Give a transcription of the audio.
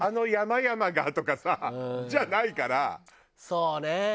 そうね。